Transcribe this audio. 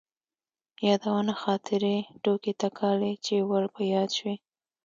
يادونه ،خاطرې، ټوکې تکالې چې ور په ياد شوي.